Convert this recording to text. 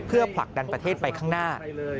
เพื่อผลักดันประเทศไปข้างหน้า